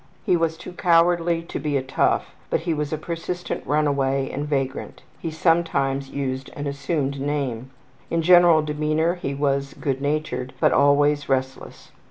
He was too cowardly to be ``tough,'' but he was a persistent runaway and vagrant. He sometimes used an assumed name. In general demeanor he was good natured, but always restless.